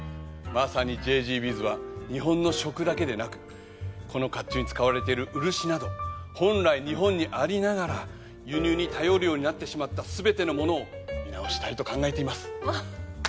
まさにＪＧＶｓは日本の食だけでなくこの甲冑に使われてる漆など本来日本にありながら輸入に頼るようになってしまった全てのものを見直したいと考えています。